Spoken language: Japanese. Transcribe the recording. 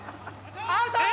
アウト！